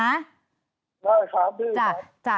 ได้ครับพี่นะ